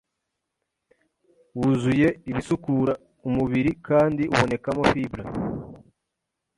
Wuzuye ibisukura umubiri kandi ubonekamo fibre